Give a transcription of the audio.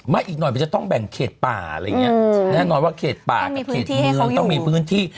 ไม่อีกหน่อยมันจะต้องแบ่งเขตป่าอะไรอย่างนี้